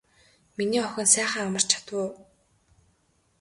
Миний охин сайхан амарч чадав уу.